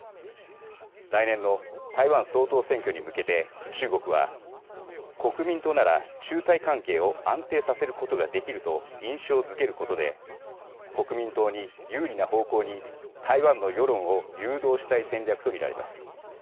来年の台湾総統選挙に向けて中国は国民党なら中台関係を安定させることができると印象づけることで国民党に有利な方向に台湾の世論を誘導したい戦略と見られます。